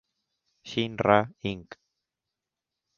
Shin-Ra, Inc.